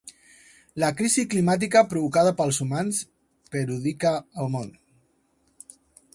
La crisi climàtica provocada pels humans perudica el món.